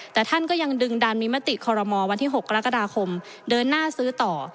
แต่ท่านก็ยังดึงดันมีมติคอรมอวันที่๖กรกฎาคมเดินหน้าซื้อต่อ